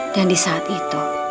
dan disaat itu